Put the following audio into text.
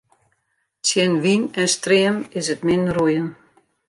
Tsjin wyn en stream is 't min roeien.